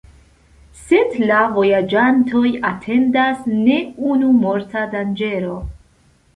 Sed la vojaĝantojn atendas ne unu morta danĝero.